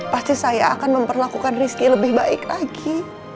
pasti saya akan memperlakukan takeeez ni lebih baik lagi